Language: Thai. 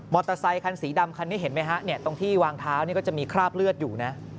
อเตอร์ไซคันสีดำคันนี้เห็นไหมฮะตรงที่วางเท้านี่ก็จะมีคราบเลือดอยู่นะ